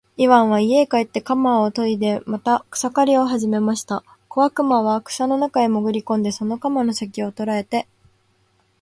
イワンは家へ帰って鎌をといでまた草を刈りはじめました。小悪魔は草の中へもぐり込んで、その鎌の先きを捉えて、